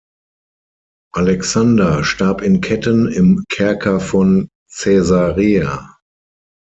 Alexander starb in Ketten im Kerker von Caesarea.